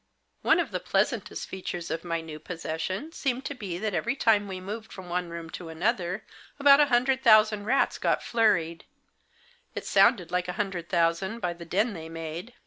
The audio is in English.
One of the pleasantest features of my new possession seemed to be that every time we moved from one room to another about a hundred thousand rats got flurried ; it sounded like a hundred thousand by the din they made.